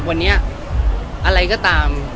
วันนี้อะไรก็ตาม